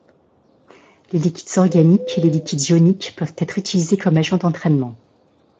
Les liquides organiques et les liquides ioniques peuvent être utilisés comme agents d'entraînement.